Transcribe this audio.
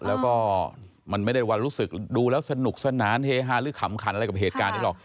แล้วก็มันไม่ได้วันรู้สึกดูแล้วสนุกสนานเฮฮาหรือขำขันอะไรกับเหตุการณ์นี้หรอก